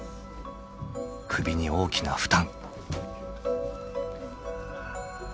［首に大きな負担］